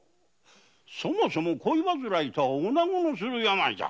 そもそも恋煩いとは女の病じゃ。